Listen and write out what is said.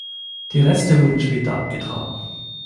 Die Reste wurden später abgetragen.